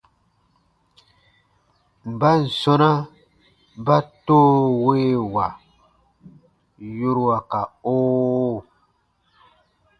Mban sɔ̃na ba “toowewa” yorua ka “oo”?